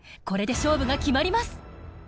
これで勝負が決まります。